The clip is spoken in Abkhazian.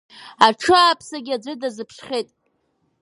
Аҽы ааԥсагьы аӡәы дазыԥшхьеит.